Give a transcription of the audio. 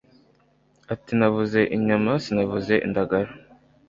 ati navuze inyama sinavuze indagara